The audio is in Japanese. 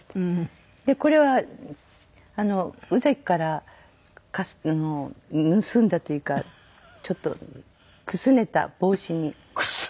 これは宇崎から盗んだというかちょっとくすねた帽子に。